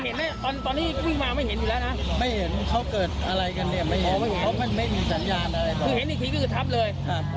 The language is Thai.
คือเห็นอีกทีก็คือทับเลย